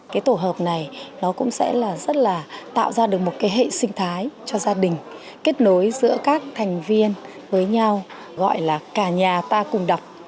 cái tổ hợp này nó cũng sẽ là rất là tạo ra được một cái hệ sinh thái cho gia đình kết nối giữa các thành viên với nhau gọi là cả nhà ta cùng đọc